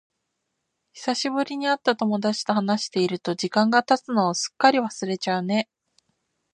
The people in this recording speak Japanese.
久しぶりに会った友達と話していると、時間が経つのをすっかり忘れちゃうね。